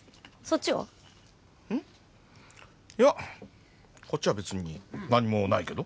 いやこっちは別に何もないけど？